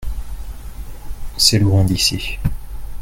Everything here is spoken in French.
C'est loin d'ici.